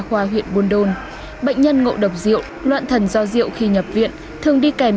khoa huyện buôn đôn bệnh nhân ngộ độc rượu loạn thần do rượu khi nhập viện thường đi kèm